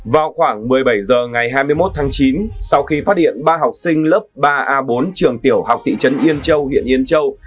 vào khoảng một mươi bảy h ngày hai mươi một tháng chín sau khi phát hiện ba học sinh lớp ba a bốn trường tiểu học thị trấn yên châu huyện yên châu